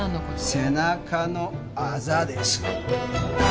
背中のあざです。